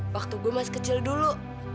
waktu gue masih kecil dulu